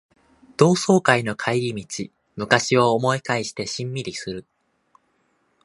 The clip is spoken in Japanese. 同窓会の帰り道、昔を思い返してしんみりする